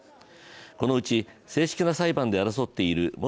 このうち正式な裁判で争っている元